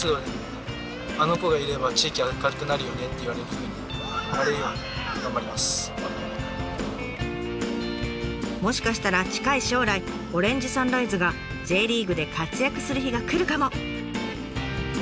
とりあえずもしかしたら近い将来オレンジサンライズがＪリーグで活躍する日が来るかも。